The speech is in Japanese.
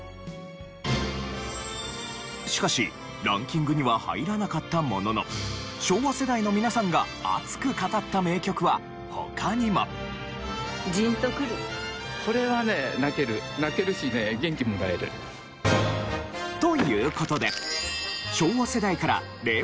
しかしランキングには入らなかったものの昭和世代の皆さんが熱く語った名曲は他にも。という事で。